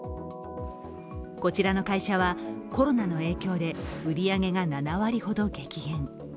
こちらの会社はコロナの影響で売り上げが７割ほど激減。